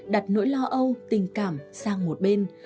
đặt nỗi lo âu tình cảm sang một bên